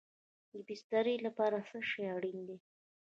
د بسترې لپاره څه شی اړین دی؟